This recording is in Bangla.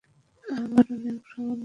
আমার অনেক ভ্রমন করতে হবে।